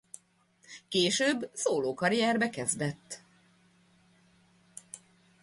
Később szólókarrierbe kezdett.